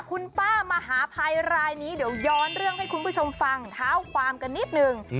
คุณป้ามหาภัยรายนี้เดี๋ยวย้อนเรื่องให้คุณผู้ชมฟังเท้าความกันนิดนึง